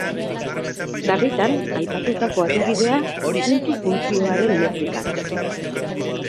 Sarritan aipatutako adibidea puntu-funtzioaren metrika da.